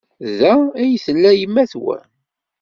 Da ay tella yemma-twen?